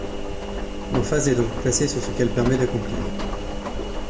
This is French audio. L’emphase est donc placée sur ce qu’elle permet d’accomplir.